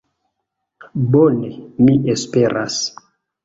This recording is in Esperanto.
Bone, mi esperas.